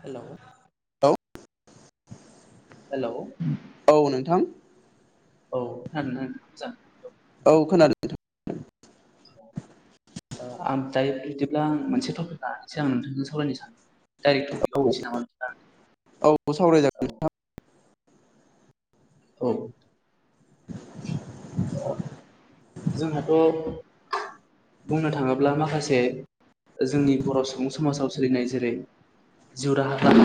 Hello, औ hello औ नोंथां। औ होन होन जान औ खोनादों आं दायो बिदिब्ला आं मोनसे टपिक लनानैसो आं नोंथांजों सावरायनो सानो दायो टपिकाव औ हाबलै नामा नोंथां? औ औ सावरायजागोनदों नोंंथां औ [inaudible] जोंहाथ' बुंनो थाङोब्ला माखासे जोंनि बर' सुबुं समाजाव सोलिनाय जेरै जिउ राहा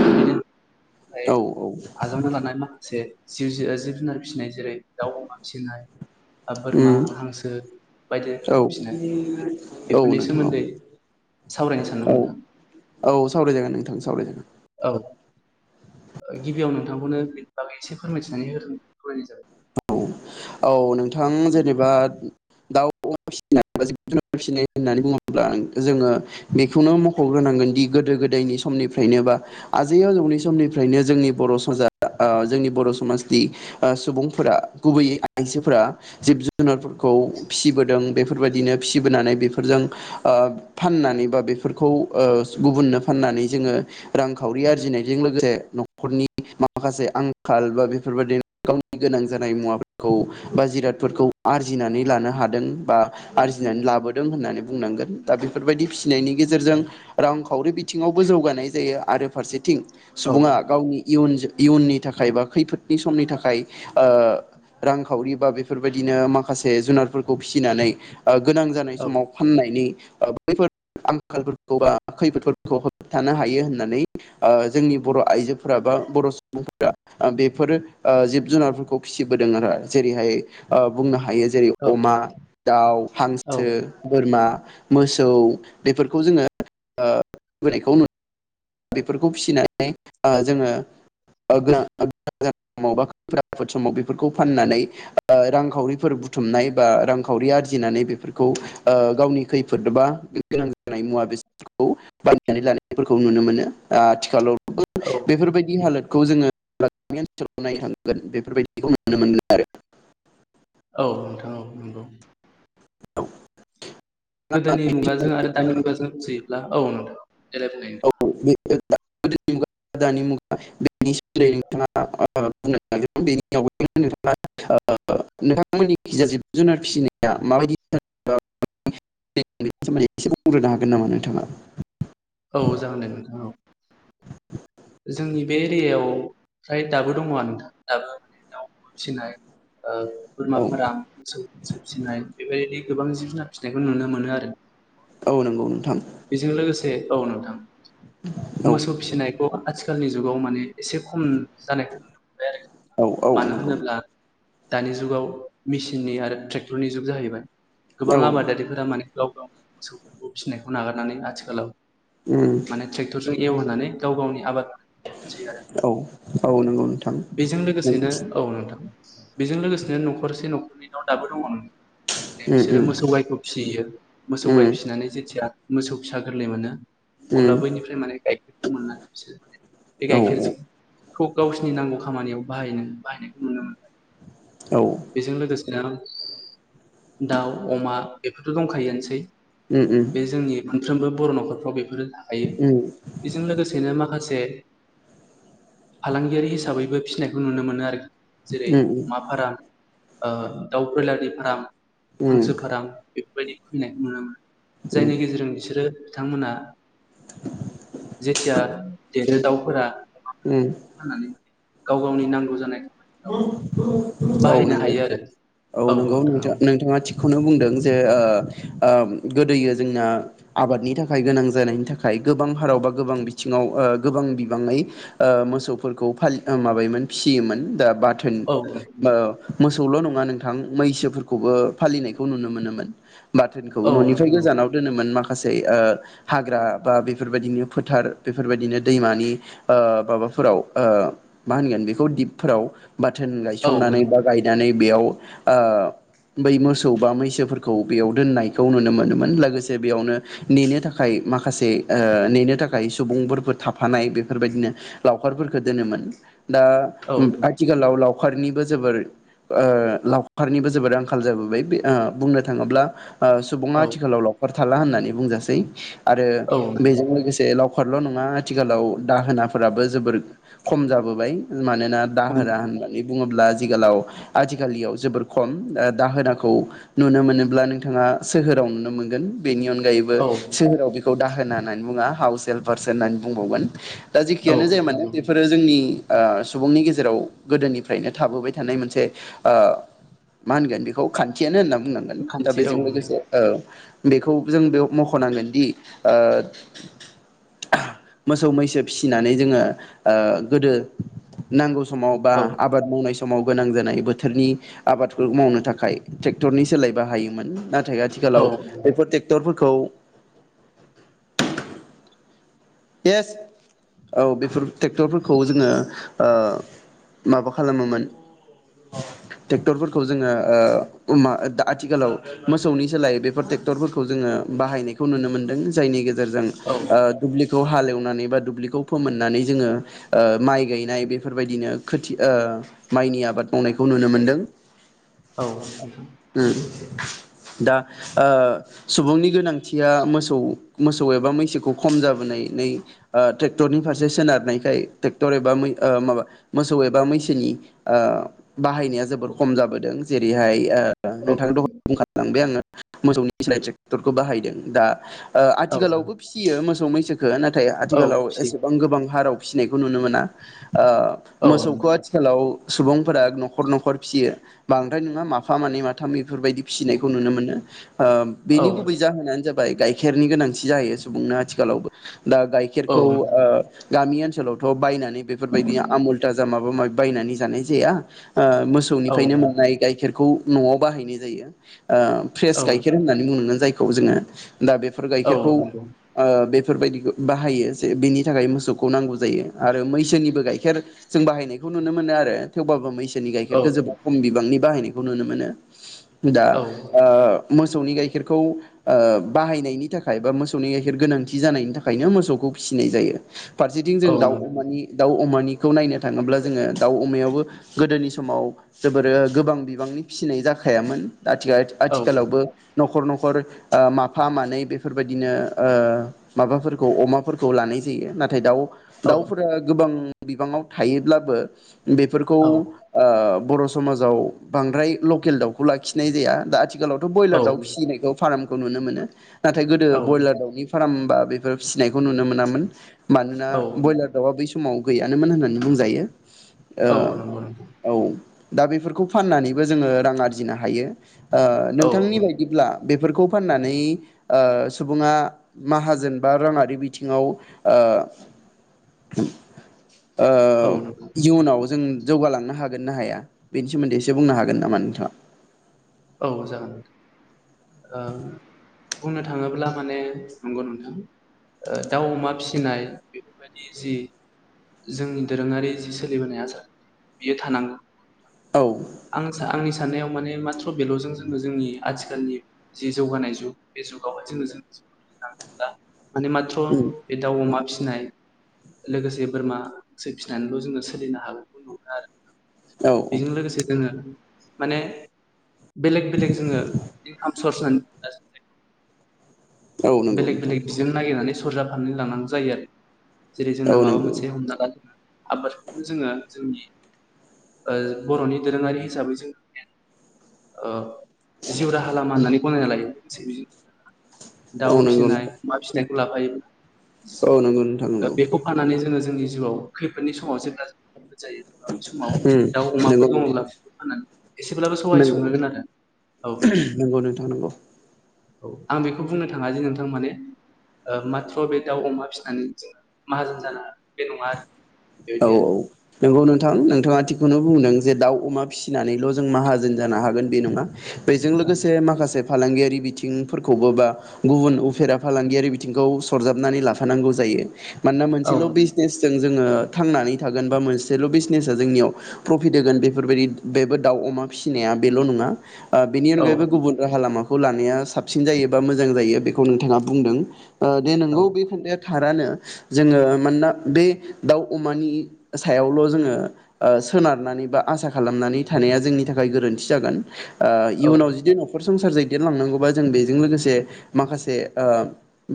थाखाय औ औ आजावना लानाय माखासे जिउजो जिब-जुनार फिसिनाय जेरै दाउ अमा फिसिनाय बा बोरमा उम हांसो बायदि औ रोखोमनि फिसिनाय औ बेफोरनि नोंथां सोमोन्दै सावरायनो सानदों औ नोंथां। औ औ सावराय जागोन नोंथां सावराय जागोन। औ गिबियाव नोंथांखौनो बेनि बागै एसे फोरमायथिनानै हो फोरमायनाय जाबाय औ औ नोंथां जेनेबा दाउ अमा फिसिनाय फिसिनाय होननानै बुङोब्ला जोङो बेखौनो मख'ग्रो होनांगोन दि गोदो गोदायनि समनिफ्रायनो बा आजै आजौनि समनिफ्रायनो जोंनि बर' सजा आ जोंनि बर' समाजनि ओ सुबुंफोरा गुबैयै आइजोफोरा जिब-जुनारफोरखौ फिसिबोदों बेफोरबायदिनो फिसिबोनानै बेफोरजों ओ फाननानै बा बेफोरखौ ओ गुबुननो फाननानै जोङो रांखावरि आरजिनायजों लो माखासे न'खरनि माखासे आंखाल बा बेफोरबायदि गावनि गोनां जानाय मुवाफोर खौ‌बा जिरादफोरखौ आरजिनानै लानो हादों बा आरजिनानै लाबोदों होननानै बुंना गोन दा बेफोरबायदि फिसिनायनि औ गेजेरजों रांखावरि बिथिङावबो जौगानाय जायो आरो फारसेथिं औ सुबुङा गावनि इयुन इयुननि थाखाय बा खैफोदनि समनि थाखाय ओ रांखावरि बा बेफोरबायदिनो माखासे जुनारफोरखौ फिसिनानै ओ गोनां जानाय औ समाव फाननायनि ओ‌ बैफोर आंखालफोरखौ बा खैफोदफोरखौ होबथानो हायो होननानै ओ जोंनि बर' आइजोफोरा बा बर' सुबुंफोरा बेफोर ओ जिब जुनारफोरखौ फिसि बोदों आरो। जेरैहाय ओ बुंनो हा हायो जेरै अमा, दाउ, औ हांसो, बोरमा, मोसौ बेफोरखौ जोङो ओ फिसिबोनायखौ नु बेफोरखौ फिसिनानै ओ जोङो ओ गोनां जानाय समाव नङाबा खैफोद आफोद समाव बेफोरखौ फाननानै ओ रांखावरिफोर बुथुमनाय बा रांखावरि आरजिनानै बेफोरखौ ओ गावनि खैफोद बा गोनां जानाय मुवा बेसादखौ‌ बायनानै लानायफोरखौ नुनो मोनो। आथिखालाव औ बेफोरबायदि हालोद खौ जोङो [unintelligible] ओनसोलाव नायानो हानांगोन बेफोरबायदिखौ नुनो मोनगोन आरो। औ नोंथां औ नंगौ। गोदोनि मुगाजों आरो दानि मुगाजों रूजुयोब्ला औ नोंथां देलाय बुंलाय। औ [unintelligible] दानि मुगा बेनि सोमोन्दै नोंथाङा ओ बुंनो [unintelligible] ओ नोंथांमोननि खैजा जिब जुनार फिसिनाया माबायदि [unintelligible] बेनि सोमोन्दै एसे बुंग्रोनो हागोन नामा नोंथाङा? औ जागोन दे नोंथां औ। जोंनि बे एरियायाव हाय दाबो दङ आरो नोंथां दाबो माने दाउ फिसिनाय ओ बोरमा औ फाराम मोसौ फिसिनाय बेबायदि गोबां जिब जुनार फिसिनायखौ नुनो मोनो आरो। औ नंगौ नोंथां। ए औ नोंथां औ मोसौ फिसिनाय आथिखालनि जुगाव माने एसे खम जानायखौ मोनबाय आरो औ मानो औ नंगौ। होनोब्ला दानि जुगाव मेसिननि आरो ट्रेक्टरनि जुग जाहैबाय गोबां औ आबादारिफोरा माने गाव-गावनि मोसौफोरखौ फिसिनायखौ नागारनानै आथिखालाव उम माने ट्रेक्टरजों एवहोनानै गाव-गावनि आबाद मावसै आरो औ औ नंगौ। नोंथां बेजों लोगोसेनो नंगौ औ नोंथां बेजों लोगोसेनो न'खरसे न'खरनैन' दाबो दङ। माने उम बिसोरो मोसौ गायखौ फिसियो मोसौ गाइ उम फिसिनानै जेथिया मोसौ फिसा गोरलै मोनो अब्ला उम बैनिफ्राय माने गाइखेरखौ मोननानै बिसोरो माने बे उम औ गाइखेरखौ गावसोर नांगौ खामानियाव बाहायनायखौ नुनो मोनो। औ बेजों लोगोसे ज' दाउ अमा बेफोरथ दंखायोनोसै। उम उम बे जोंनि मोनफ्रोमबो बर नखरफ्राव बेफोर उम बेजों लोगोसेनो माखासे फालांगियारि हिसाबैबो फिसिनायखौ नुनो मोनो आरोखि। जेरै उम अमाफाराम दाउ ब्रयलारनि फार्म, हांसो फार्म बेफोरबायदि खुलिनायखौ नुनो मोनो। उम जायनि गेजेरजों बिसोरो बिथांमोना जेथिया देरो दाउफोरा उम फाननानै गाव-गावनि नांगौ जानाय खामानिफ्राव औ बाहायनो नंगौ हायो आरो औ नंगौ नोंथां नोंथ औ नोंथाङा थिग खौनो बुंदों जे गोदोयो जोंना आबादनि थाखाय गोनां जानायनि थाखाय। गोबां हाराव बा गोबां बिथिङाव गोबां बिबाङै मोसौफोरखौ फालि माबायोम ओ फिसियोमोन। फियोमोन दा बाथोन औ नोंथां ओ मोसौल' नङा नोंथां मैसोफोरखौबो फालिनायखौ नुनो मोनोमोन। बाथोनखौ औ ननिफ्राय गोजानाव दोनोमोन। माखा खासे ओ हाग्रा बा बेफोरबादिनो फोथार, बेफोरबादिनो दैमानि ओ बाबा फोराव ओ मा होनगोन बेखौ दिपफोराव बाथोन औ गायसंनानै बा गायनानै बेयाव ओ बै मोसौ बा मैसोफोरखौ बेयाव दोननायखौ नुनो मोनोमोन। लोगोसे बेयावनो नेनो थाखाय माखासे ओ नेनो थाखाय सुबुंफोरफोर थाफानाय बेफोरबायदिनो लावखारफोरखो दोनोमोन। दा आथिखालाव लाव लावखारनिबो जोबोर ओ लावखारनिबो जोबोर आंखाल जाबोबाय ओ बुंनो थाङोब्ला ओ सुबुङा आथिखालाव लावखार थाला होननानै बुंजासै आरो बेजों लोगोसे लाव खारल' नङा आथिखालाव दाहोनाफोराबो जोबोर खम जाबोबाय मानोना दाहोना होननानै बुङोब्ला दिगालाव आजिखालियाव जोबोर खम। दाहोनाखौ नुनो मोनोब्ला नोंथाङा सोहो खम नुनो मोनगोन। बेनि अन गायैबो औ सोहोराव बेखौ दाहोना होननानै बुङा हाउस हेलपारसो होननानै बुंबावगोन। दा औ जेखियानो जाया मानोे बेफोरो जोंनि ओ सुबुंनि गेजे जेराव गोदोनिफ्रायनो थाबोबाय थानाय मोनसे ओ मा होनगोन बेखौ खान्थियानो होनना बुंनांगोन। औ दा खान्थि बेजों औ नोंथां लोगोसे ओ बेखौ जों बेयाव मख'नांगोन दि ओ मोसौ मैसो फिसिनानै जोङो ओ गोदो नांगौ समाव बा औ आबाद मावनाय स समाव गोनां जानाय बोथोरनि आबादखौ मावनो थाखाय ट्रेक्टरनि सोलाय बाहायोमोन। नाथाय औ आथिखालाव बेफोर टेक्टरफोरखौ येस। औ बेफोर ट्रेक्टरफोरखौ जोङो ओ माबा खालामोमोन। [inaudible] टेक्टरफोरखौ जोङो ओ ओमा आथिखालाव मोसौनि सोलाय बेफोर टेक्टरफोरखौ जोङो बाहायनायखौ नुनो मोनदों जायनि गेजेरजों औ ओ दुब्लि खौ हालेवनानै बा दुब्लिखौ फोमोननानै जोङो माइ गायनाय बेफोरबायदिनो खोथि ओ माइनि आबाद मावनायखौ नुनो मोनदों। औ। [inaudible] दा ओ सुबुंनि गोनांथिया मोसौ मोसौ एबा मैसोखौ खम जाबोनाय नै ओ टेक्टरनि फारसे सोनारनायखाय टेक्टर एबा मै ओ माबा मोसौ एबा मैसोनि ओ बाहायनाया जोबोर खम जाबोदों जेरैहाय ओ औ नोंथां दहय बुखालांबाय आङो। मोसौनि सोलाय ट्रेक्टरखौ बाहायदों दा ओ औ आथिखालावबो फिसियो मोसौ मैसो खौ नाथाय औ आथिखालाव फिसियो एसेबां गोबां हाराव फिसिनायखौ नुनो मोना। ओ औ मोसौखो नोंथां आथिखालाव सुबुंफोरा न'खर न'खर फिसियो, बांद्राय नङा माफा मानै माथामै। बेफोरबायदि फिसिनायखौ नुनो मोनो। ओ औ बिनि गुबै जाहोनानो जा बाय गाइखेरनि गोनांथि जायो सुबुंनो आथिखालावबो। दा औ गाइखेरखौ ओ गामि ओन सोलावथ' बायनानै बेफोरबायदि आमुल थाजा माबा माबि बायनानै जानाय जाया। ओ मोसौनिफ्रायनो नोंथां मोननाय गाइखेरखौ न'आव बाहायनाय जायो। ओ फ्रेस औ गाइखेर होननानै बुंनांगोन जायखौ जोङो दा बेफोर औ गाइखेरखौ नंगौ ओ बे बेफोरबायदिखो बाहायो जे बेनि थाखाय मोसौखौ नांगौ जायो आरो मैसोनिबो गाइखेर जों बाहायनायखौ नुनो मोनो आरो थेवबाबो मैसो नि औ गाइखेरखो जोबोद खम बिबांनि बाहायनायखौ नुनो मोनो। दा औ नोंथां ओ मोसौनि गाइखेरखौ ओ बाहायनायनि थाखाय बा मोसौनि गाइखेर गोनांथि इदि जानायनि थाखायनो मोसौखौ फिसिनाय जायो। फारसेथिं जों औ दाउ अमानि दाउ अमानि खौ नायनो थाङोब्ला जोङो दाउ अमायावाबो गोदोनि समाव जोबोरो गोबां बिबांनि फिसिनाय जाखा थायामोन दा आथिगा औ आथिखालावबो न'खर न'खर न'खर ओ माफा मानै बेफोरबायदिनो ओ माबाफोरखौ अमाफोरखौ लानाय जायो नाथाय दाउ दाउफोरा गोबां बिबाङाव थायोब्लाबो बेफोरखौ ओ बर' समाजाव बांद्राय लकेल दाउखौ लाखिनाय जाया दा। आथिखालावथ' बयलार दाउ फिसिनायखौ फार्मखौ नुनो मोनो नाथाय गोदो औ बयलार दाउनि फार्म बैफोर फिसिनायखौ नुनो मोनामोन। मानोना बयलार दाउआ बै समाव गैयानोमोन होननानै बुंजायो। ओ नंगौ नोंथां औ दा बेफोरखौ फाननानैबो जोङो रां आरजिनो हायो। ओ औ नोंथांनि बायदिब्ला बेफोरखौ फाननानै ओ सुबुङा माहाजोन बा राङारि बिथिङाव ओ ओ नंगौ औ इयुनाव जों जौगालांनो हागोन ना हाया बेनि सोमोन्दै एसे बुंनो हागोन नामा नोंथाङा? औ जागोन नोंथां ओ बुंनो थाङोब्ला माने नंगौ नोंथां। ओ दाउ अमा फिसिनाय बेफोरबायदि जि जोंनि दोरोङारि जि सोलिबोनाय आसार बियो थानांगौ। औ आं सान आं आंनि साननायाव माने सथ बेल'जों जोङो जोंनि आथिखालनि जि जौगानाय जुग बे जुगावहाय जोङो जों ओ माने माथ्र' उम बे दाउ अमा फि फिसिनाय लोगोसे बोरमासो फिसिनानैल' जोङो सोलिनो हागौखौ नुनो आरो औ बेजों लोगोसे जोङो माने बेलेग बेलेग जोङो इनकाम सर्स होननानै औ नंगौ बेलेग नोंथां बेलेग बिजों नागिरनानै सरजाबफानो लानांगौ जायो आरो। जेरै जोंना औ माबा नंगौ मोनसे हमना लादों आबादखौनो जोङो जोंनि ओ बर'नि दोरोङारि हिसाबै जों ओ जिउ राहा लामा होननानै गनायना लायो। दाउ औ नंगौ फिसिनाय नोंथां अमा फिसिनायखौ लाफायोमोन। औ नंगौ नोंथां ओ नंगौ बेखौ फाननानै जोङो जोंनि जिउआव खैफोदनि समाव जेब्ला जायो बे समाव उम दाउ अमाफोर नंगौ नोंथां दङब्ला बेखौ फाननानै एसेब्लाबो सहाय नंगौ संहोगोन आरो औ। नंगौ नोंथां नंगौ औ आं बेखौ बुंनो थाङा जे नोंथां माने ओ माथ्र बे दाउ अमा फिसिनानै जोङो माहाजोन जानो बे नङा आरो। औ बेबायदि औ नंगौ नोंथां आरो नोंथाङा थि बेखौनो बुंदों जे दाउ अमा फिसिनानैल' जों माहाजोन जानो हागोन बे नङा। बेजों औ लोगोसे माखासे फालांगियारि बिथिंफोरखौबो बा गुबुन उफेरा फालांगियारि बिथिंखौ सरजाबनानै लाफानांगौ जायो। मानोना औ मोनसेल' बिजनेसजों जोङो थांनानै थागोन बा मोनसेल' बिजनेसा जोंनियाव प्रफिट होगोन बेफोरबायदि बेबो दाउ अमा फिसिनाया बेल' नङा। ओ बेनि औ अनगायैबो गुबुन राहा लामाखौ लानाया साबसिन जायो बा मोजां जायो बेखौ नोंथाङा बुंदों। ओ दे नोंगौ बे खोथाया थारानो जोङो मानोना बे दाउ अमानि सायावल' जोङो ओ सोनारनानै बा आसा खालामनानै थानाया जोंनि थाखाय गोरोन थि जागोन ओ इयुनाव औ जुदि न'खरसे संसार दैदेनलांनांगौबा जों बेजों लोगोसे माखासे ओ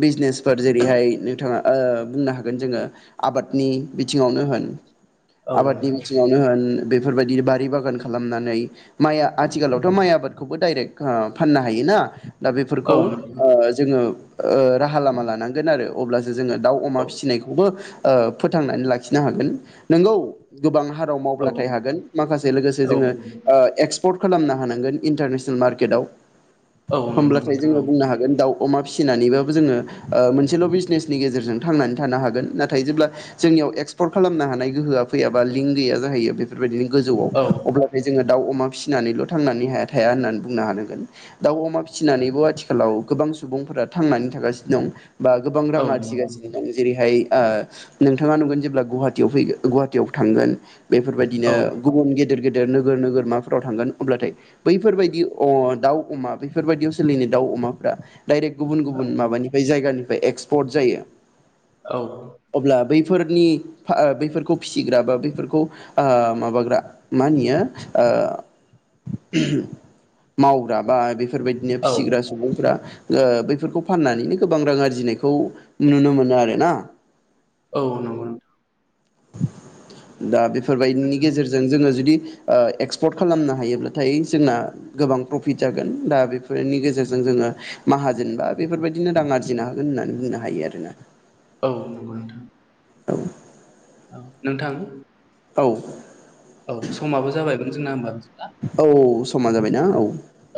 बिजनेसफोर जेरैहाय बिथाङा ओ बुंनो हागोन जोङो आबादनि बिथिङावनो होन औ आबादनि बिथिङावनो होन बेफोरबायदि बारि बागान खालामनानै माइआ आथिखालावथ' माइ आबादखौबो डाइरेक्ट आह फाननो हायो। ना दा बेफोरखौ ओ जोङो ओ राहा लामा लानांगोन आरो अब्ला जोङो दाउ अमा फिसिनायनखौबो ओ फोथांनानै‌ लाखिनो हागोन नोंगौ गोबां हा फोराव मावब्लाथाय हागोन माखासे लोगोसे औ जोङो ओ एक्स पर्ट खालामनो हानांगोन इन्टारनेसनेल मार्केटाव औ नोंथां औ नोंथां औ नंगौ होमब्लाथाय नोंथां जोङो औ बुंनो हागोन दाउ अमा फिसिनानैबाबो जोङो ओ मोनसेल' बिजनेसनि गेजेरजों थांनानै थानो हागोन नाथाय जेब्ला जोंनियाव एक्सपर्ट खालामनो हानाय गोहोआ फैयाबा लिंक गैया जाहैयो बेफोरबायदिनो गोजौआव अब्लाथाय जोङो दाउ अमा फिसिनानैल' थांनानै हाया थाया होननानै बुंनो हानांगोन दाउ अमा फिसिनानैबो आथिखालाव गोबां गोबां सुबुंफोरा थांनानै थागासिनो दं बा गोबां औ रां नंगौ आरजिगासिनो दं जेरैहाय ओ नोंथाङा नुगोन जेब्ला गुवाहाटीयाव फैगोन गुवाहाटीयाव थांगोन बेफोरबायदिनो औ गुबुन गेदेर गेदेर नोगोर नोगोरमाफोराव थांगोन अब्लाथाय बैफोरबायदि अ' दाउ अमा बेैफोरबायदियाव सोलिनाय दाउ अमाफोरा डाइरेक गुबुन गुबुन माबानिफ्राय जायगानिफ्राय एक्सपर्ट जायो। औ। अब्ला बैफोरनि फा ओ बैफोरखौ फिसिग्रा बा बैफोरखौ ओ माबाग्रा मा होनो एयो ओ मावग्रा बा बि फोरबायदिनो औ फिसिग्रा सुबुंफोरा ओ बैफोरखौ फाननानैनो गोबां रां आरजिनायखौ नुनो मोनो आरो ना। औ नंगौ नोंथां। दा बेफोरबायदिनि नोंथां गेजेरजों जोङो जुदि ओ एक्सपर्ट खालामनो हायोब्लाथाय जोंना गोबां प्रफिट जागोन दा बेफोरनि गेजेरजों जों ङो माहाजोनबा बेफोरबायदिनो रां आरजिनो हा गोन होननानै होननो हायो आरो ना। औ नंगौ नोंथां औ नोंथां। औ। औ समाबो [unintelligible] औ समा जाबायना औ।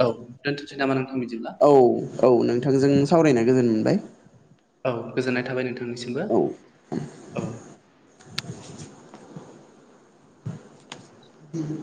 औ दोनथ'सै नामा नोंथां बिदिब्ला औ औ नोंथांजों सावरायना गोजोन मोनबाय। औ गोजोननाय थाबाय नोंथांनिसिमबो औ औ। [inaudible] [unintelligible]